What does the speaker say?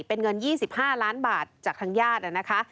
เป็นเงิน๒๕ล้านบาทจากทางญาตินะคะ